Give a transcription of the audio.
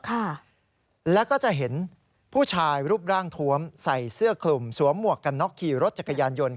มาแล้วผู้เสียหาย